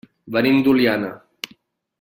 Venim d'Oliana.